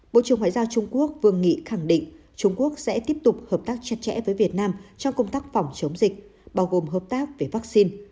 bộ trưởng ngoại giao trung quốc vương nghị khẳng định trung quốc sẽ tiếp tục hợp tác chặt chẽ với việt nam trong công tác phòng chống dịch bao gồm hợp tác về vaccine